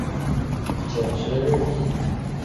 九十日币